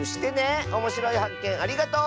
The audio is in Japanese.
おもしろいはっけんありがとう！